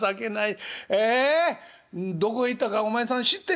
どこ行ったかお前さん知ってる？」。